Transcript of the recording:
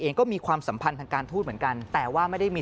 มีความสัมพันธ์ทางการทูตเหมือนกันแต่ว่าไม่ได้มี